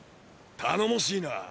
頼もしいな。